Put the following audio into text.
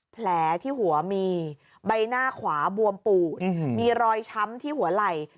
แผลที่หัวมีใบหน้าขวาบวมปูดมีรอยช้ำที่หัวไหล่